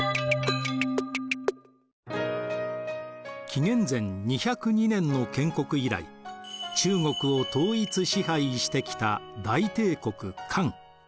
紀元前２０２年の建国以来中国を統一支配してきた大帝国漢。